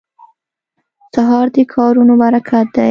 سهار د کارونو برکت دی.